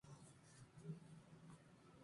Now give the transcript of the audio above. Este nuevo equipo fue conocido como The Shadows.